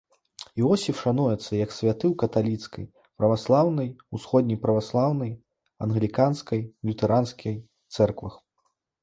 Іосіф шануецца як святы ў каталіцкай, праваслаўнай, усходняй праваслаўнай, англіканскай, лютэранскай цэрквах.